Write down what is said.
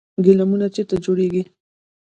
ګلیمونه چیرته جوړیږي؟